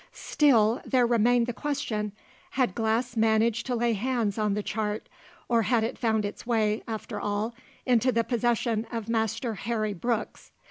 Still, there remained the question: Had Glass managed to lay hands on the chart, or had it found its way, after all, into the possession of Master Harry Brooks?